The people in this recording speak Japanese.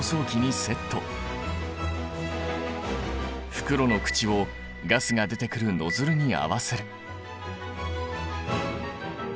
袋の口をガスが出てくるノズルに合わせる。